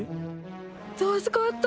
助かった！